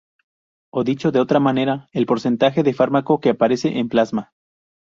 O dicho de otra manera, el porcentaje de fármaco que aparece en plasma.